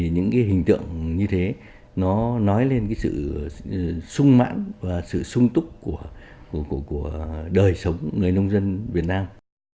những cái hình tượng như thế nó nói lên sự sung mãn và sự sung túc của đời sống người nông dân việt nam